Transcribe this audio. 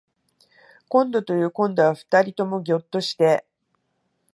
こんどというこんどは二人ともぎょっとして